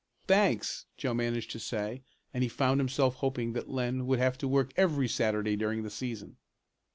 "Thanks!" Joe managed to say and he found himself hoping that Len would have to work every Saturday during the season.